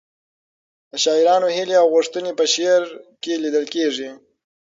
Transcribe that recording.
د شاعرانو هیلې او غوښتنې په شعر کې لیدل کېږي.